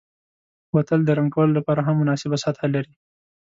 بوتل د رنګ کولو لپاره هم مناسبه سطحه لري.